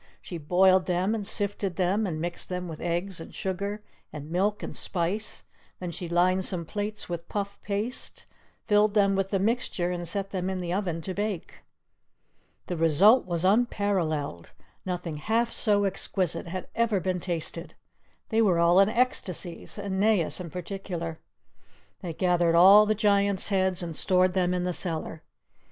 She boiled them, and sifted them, and mixed them with eggs and sugar and milk and spice; then she lined some plates with puff paste, filled them with the mixture, and set them in the oven to bake. The result was unparalleled; nothing half so exquisite had ever been tasted. They were all in ecstasies, Aeneas in particular. They gathered all the Giant's heads and stored them in the cellar.